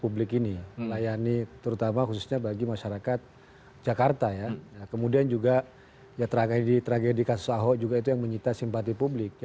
beliau akan banyak di satu perusahaan begitu ya